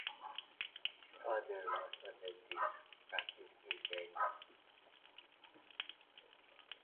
His father was a dentist who practised in Delhi.